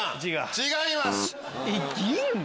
違います！